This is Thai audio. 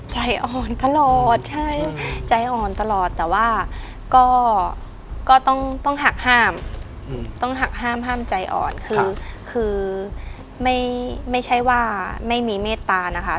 ใจอ่อนตลอดใช่ใจอ่อนตลอดแต่ว่าก็ต้องหักห้ามต้องหักห้ามห้ามใจอ่อนคือคือไม่ใช่ว่าไม่มีเมตตานะคะ